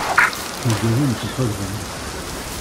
Tes oiseaux ne sont pas grands.